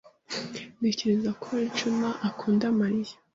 Ntekereza ko Juan akunda María.